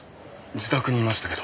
自宅にいましたけど。